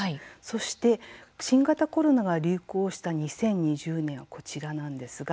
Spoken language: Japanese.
そして、新型コロナが流行した２０２０年、こちらなんですが。